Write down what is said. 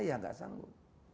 ya enggak sanggup